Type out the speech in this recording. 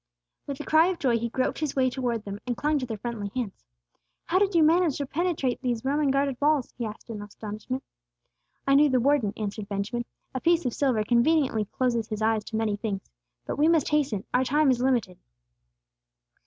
With a cry of joy he groped his way toward them, and clung to their friendly hands. "How did you manage to penetrate these Roman guarded walls?" he asked, in astonishment. "I knew the warden," answered Benjamin. "A piece of silver conveniently closes his eyes to many things. But we must hasten! Our time is limited."